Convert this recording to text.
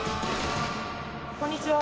こんにちは。